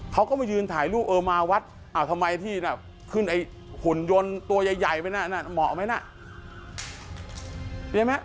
เขาก็มายืนถ่ายรูปเออมาวัดทำไมที่ขึ้นไอ้หุ่นยนตัวใหญ่มอบไหมนะ